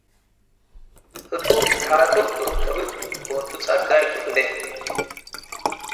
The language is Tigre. ህቱ ሓጥርቱ እብ ከብድ ወህቱ ጸጋይቱ እብ እዴ